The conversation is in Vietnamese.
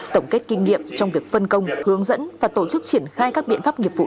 tổng kết kinh nghiệm trong việc phân công hướng dẫn và tổ chức triển khai các biện pháp nghiệp vụ